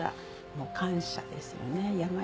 もう感謝ですよね。